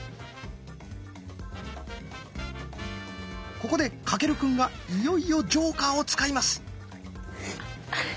ここで翔くんがいよいよジョーカーを使います。